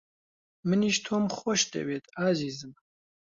منیش تۆم خۆش دەوێت، ئازیزم.